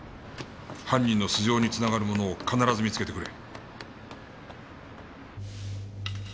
犯人の素性に繋がるものを必ず見つけてくれ。